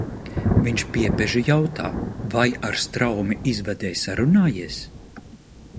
Viņš piepeži jautā: vai ar Straumi izvadē sarunājies?